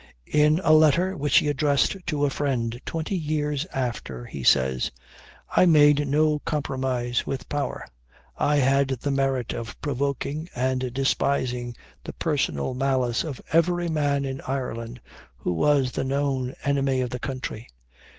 In a letter which he addressed to a friend, twenty years after, he says, "I made no compromise with power; I had the merit of provoking and despising the personal malice of every man in Ireland who was the known enemy of the country.